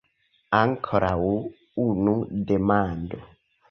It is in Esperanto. Ankoraŭ unu demando!